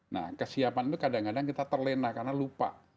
nah kesiapan itu kadang kadang kita terlena karena lupa